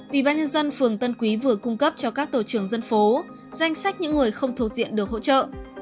ủy ban nhân dân phường tân quý vừa cung cấp cho các tổ trưởng dân phố danh sách những người không thuộc diện được hỗ trợ